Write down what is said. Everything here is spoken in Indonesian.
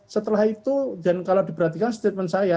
setelah itu dan kalau diperhatikan statement saya